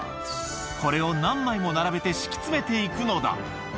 これを何枚も並べて敷き詰めていくのだ。